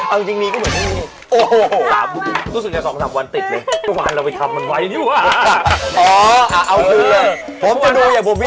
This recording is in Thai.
เอาจริงมีก็เหมือนที่นี่